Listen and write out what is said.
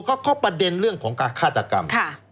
เขาประเด็นเรื่องของฆาตกรรม